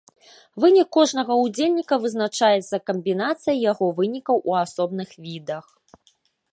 Вынік кожнага ўдзельніка вызначаецца камбінацыяй яго вынікаў у асобных відах.